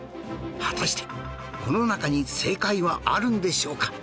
果たしてこの中に正解はあるんでしょうか？